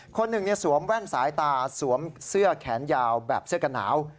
คนหนึ่งสวมแว่นสายตาสวมเสื้อแขนยาวแบบเสื้อกันหนาว